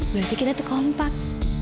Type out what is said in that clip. berarti kita tuh kompak